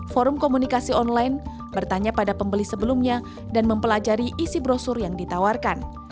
forum komunikasi online bertanya pada pembeli sebelumnya dan mempelajari isi brosur yang ditawarkan